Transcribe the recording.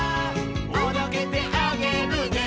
「おどけてあげるね」